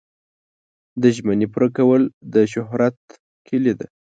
د ژمنې پوره کول د شهرت کلي ده.